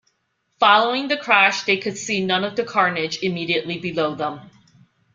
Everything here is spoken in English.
Following the crash, they could see none of the carnage immediately below them.